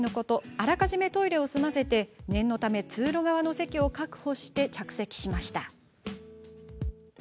あらかじめトイレを済ませ念のため通路側の席を確保して着席しました。